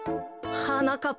はなかっ